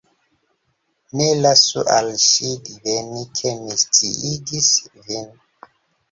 Ne lasu al ŝi diveni, ke mi sciigis vin.